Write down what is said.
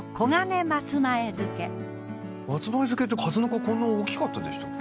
松前漬って数の子こんな大きかったでしたっけ？